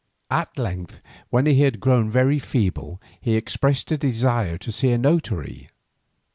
At length when he had grown very feeble he expressed a desire to see a notary.